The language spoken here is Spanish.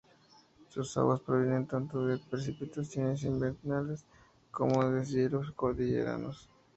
Sus aguas provienen tanto de precipitaciones invernales como de deshielos cordilleranos.